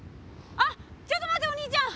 あっちょっと待ってお兄ちゃん！